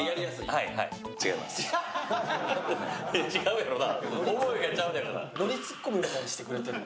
違うやろな。